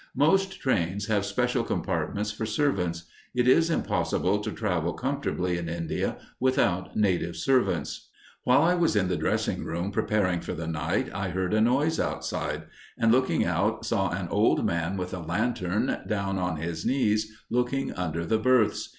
Most trains have special compartments for servants. It is impossible to travel comfortably in India without native servants. While I was in the dressing room, preparing for the night, I heard a noise outside, and, looking out, saw an old man with a lantern, down on his knees looking under the berths.